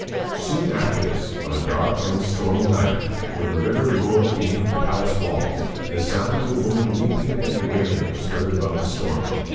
Soon after this, on a dark and stormy night, when the river roared beneath the palace walls, the sound of a woman weeping and wailing was heard above the storm.